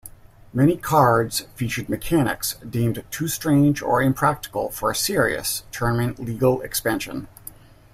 Many cards featured mechanics deemed too strange or impractical for a "serious," tournament-legal expansion.